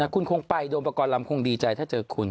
คุณคงไปโดมประกอบรรมคงดีใจถ้าเจอคุณ